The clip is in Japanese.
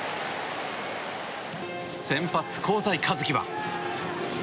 先発、香西一希は。